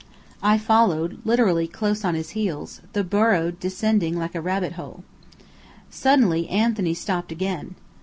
I followed, literally close on his heels, the burrow descending like a rabbit hole. Suddenly Anthony stopped again.